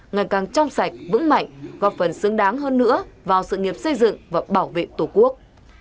ngày càng trong sạch vững mạnh góp phần xứng đáng hơn nữa vào sự nghiệp xây dựng và bảo vệ tổ quốc